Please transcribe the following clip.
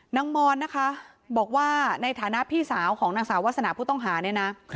มอนนะคะบอกว่าในฐานะพี่สาวของนางสาววาสนาผู้ต้องหาเนี่ยนะ